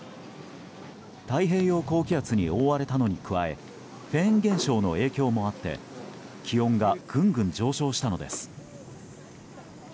太平洋高気圧に覆われたのに加えフェーン現象の影響もあって気温がぐんぐん上昇したのです。